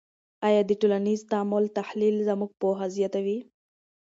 آیا د ټولنیز تعامل تحلیل زموږ پوهه زیاتوي؟